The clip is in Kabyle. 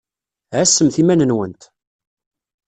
Ɛassemt iman-nwent!